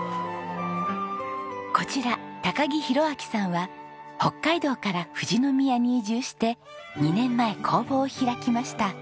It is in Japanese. こちら木宏昭さんは北海道から富士宮に移住して２年前工房を開きました。